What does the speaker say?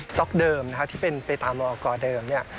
สต๊อกเดิมที่เป็นไปตามหมออกรเดิมเนี่ย